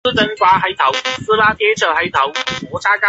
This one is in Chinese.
巨盗龙的食性仍然是个谜。